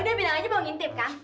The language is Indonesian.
eh udah bilang aja mau ngintip kak